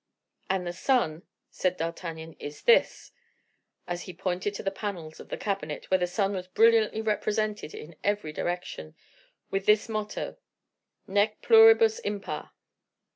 "And the sun," said D'Artagnan, "is this," as he pointed to the panels of the cabinet, where the sun was brilliantly represented in every direction, with this motto, "Nec pluribus impar."